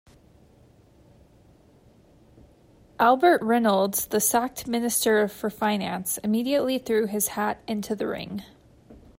Albert Reynolds, the sacked Minister for Finance, immediately threw his hat into the ring.